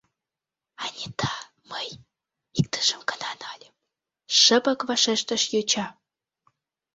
— Анита, мый... иктыжым гына нальым, — шыпак вашештыш йоча.